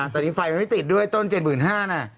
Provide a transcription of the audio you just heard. ตอนนี้ไฟมันไม่ติดด้วยต้น๗๕๐๐น่ะ